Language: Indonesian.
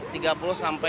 disini bisa jual berapa